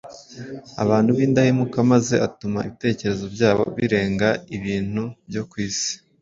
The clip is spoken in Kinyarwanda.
abantu b’indahemuka maze atuma ibitekerezo byabo birenga ibintu byo ku isi.